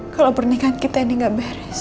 kalau pernikahan kita ini gak beres